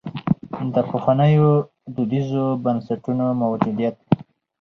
د پخوانیو دودیزو بنسټونو موجودیت.